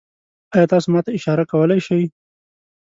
ایا تاسو ما ته اشاره کولی شئ؟